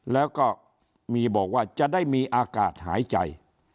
แล้วก็มีบอกว่าจะได้มีอากาศหายใจ